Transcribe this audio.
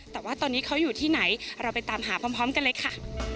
แต่ว่าตอนนี้เขาอยู่ที่ไหนเราไปตามหาพร้อมกันเลยค่ะ